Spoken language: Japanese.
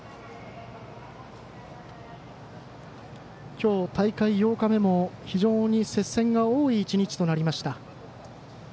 今日、大会８日目も非常に接戦が多い１日となりました。